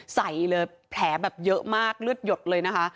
ใส่เลยแผลแบบเยอะมากเลือดหยดเลยนะคะ